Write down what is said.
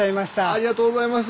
ありがとうございます。